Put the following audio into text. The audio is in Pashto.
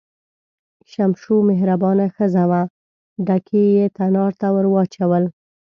شمشو مهربانه ښځه وه، ډکي یې تنار ته ور واچول.